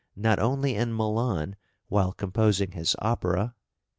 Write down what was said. } (341) not only in Milan while composing his opera (p.